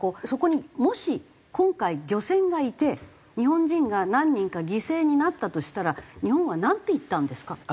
そこにもし今回漁船がいて日本人が何人か犠牲になったとしたら日本はなんて言ったんですか？